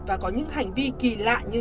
và có những hành vi kỳ lạ như